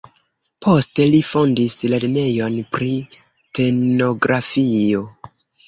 Poste li fondis lernejon pri stenografio.